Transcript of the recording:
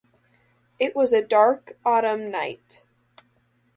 It was a dark autumn night.